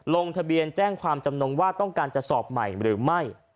ลงทะเบียนแจ้งความจำนงว่าต้องการจะสอบใหม่หรือไม่